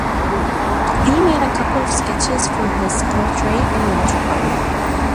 He made a couple of sketches for his portrait in watercolor.